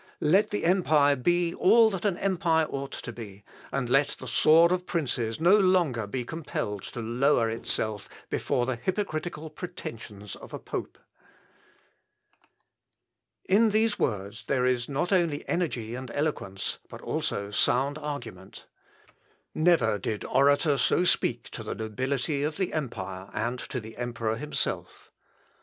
Let the empire be all that an empire ought to be; and let the sword of princes no longer be compelled to lower itself before the hypocritical pretensions of a pope." In these words there is not only energy and eloquence, but also sound argument. Never did orator so speak to the nobility of the empire, and to the emperor himself.